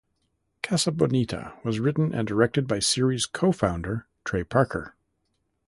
"Casa Bonita" was written and directed by series co-founder Trey Parker.